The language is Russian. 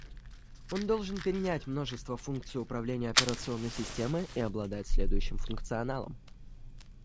Он должен перенять множество функций управления операционной системы и обладать следующим функционалом